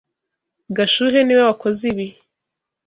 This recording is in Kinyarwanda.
Gashuhe niwe wakoze ibi.